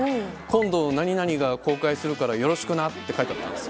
「今度○○が公開するからよろしくな」って書いてあった。